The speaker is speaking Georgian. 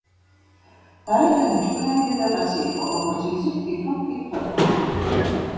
დარეჯანი ჭკვიანი დედაკაცი იყო, როგორც იცის თითონ მკითხველმა.